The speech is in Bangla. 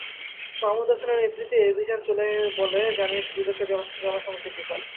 মাহমুদ হাসানের নেতৃত্বে এ অভিযান চলে বলে জানিয়েছে দুদকের জনসংযোগ বিভাগ।